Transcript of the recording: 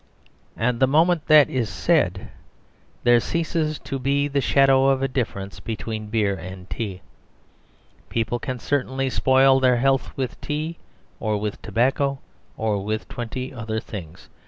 And the moment that is said, there ceases to be the shadow of a difference between beer and tea. People can certainly spoil their health with tea or with tobacco or with twenty other things.